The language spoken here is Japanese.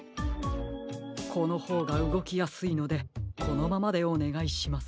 このほうがうごきやすいのでこのままでおねがいします。